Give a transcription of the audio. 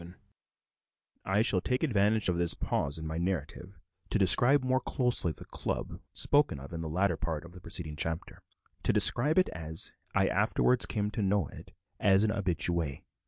VII I shall take advantage of this pause in my narrative to describe more closely the "Club" spoken of in the latter part of the preceding chapter to describe it as I afterwards came to know it, as an habitué.